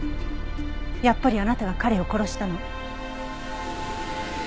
やっぱりあなたが彼を殺したの？